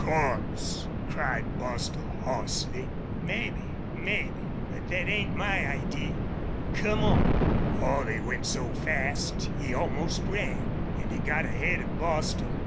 "Cordts!" cried Bostil, hoarsely. "Mebbe mebbe. But thet ain't my idee.... Come on." Holley went so fast he almost ran, and he got ahead of Bostil.